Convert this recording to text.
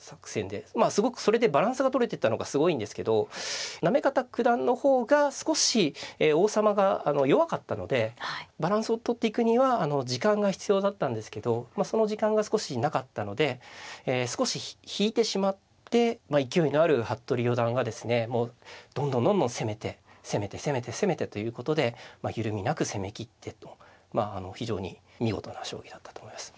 まあすごくそれでバランスがとれてたのがすごいんですけど行方九段の方が少し王様が弱かったのでバランスをとっていくには時間が必要だったんですけどその時間が少しなかったので少し引いてしまって勢いのある服部四段がですねどんどんどんどん攻めて攻めて攻めて攻めてということで緩みなく攻めきってのまあ非常に見事な将棋だったと思います。